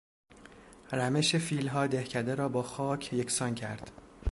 رمش فیلها دهکده را با خاک یکسان کرد.